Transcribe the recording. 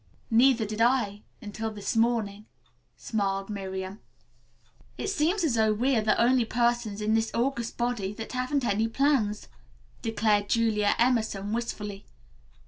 "Neither did I, until this morning," smiled Miriam. "It seems as though we are the only persons in this august body that haven't any plans," declared Julia Emerson wistfully.